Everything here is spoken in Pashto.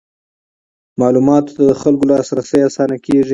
معلوماتو ته د خلکو لاسرسی اسانه کیږي.